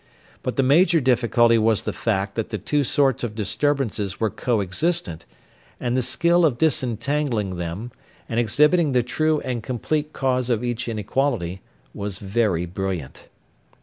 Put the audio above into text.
But the major difficulty was the fact that the two sorts of disturbances were co existent, and the skill of disentangling them, and exhibiting the true and complete cause of each inequality, was very brilliant.